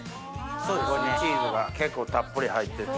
そこにチーズが結構たっぷり入ってて。